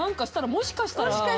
もしかしたらね。